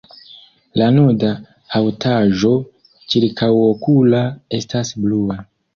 La nuda haŭtaĵo ĉirkaŭokula estas blua.